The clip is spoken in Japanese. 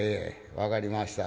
分かりました。